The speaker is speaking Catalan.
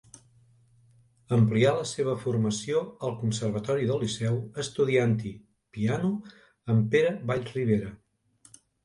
Amplià la seva formació al Conservatori del Liceu estudiant-hi piano amb Pere Vallribera.